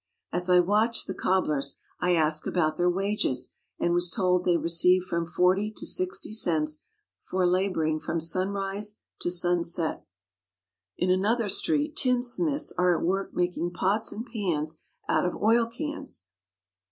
As I watched the cobblers I asked about their wages and was told they received from forty to sixty cents for labouring from sunrise to sunset. In another street tinsmiths are at work making pots and pans out of oil cans.